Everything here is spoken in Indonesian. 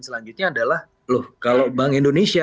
selanjutnya adalah loh kalau bank indonesia